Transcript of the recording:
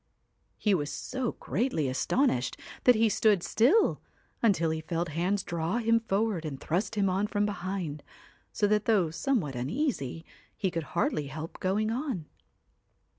He was so greatly astonished that he stood still, until he felt hands draw him forward and thrust him on from behind, so that though somewhat uneasy, he could hardly help going on.